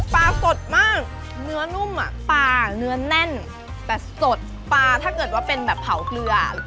ปลาสดมากเนื้อนุ่มอ่ะปลาเนื้อแน่นแต่สดปลาถ้าเกิดว่าเป็นแบบเผาเกลือ